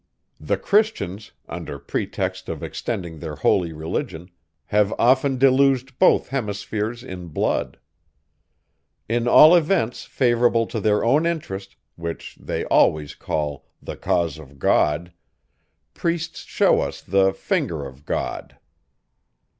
The CHRISTIANS, under pretext of extending their holy religion, have often deluged both hemispheres in blood. In all events favourable to their own interest, which they always call the cause of God, priests show us the finger of God.